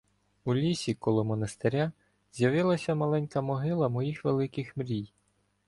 У лісі коло монастиря з'явилася маленька могила моїх великих мрій.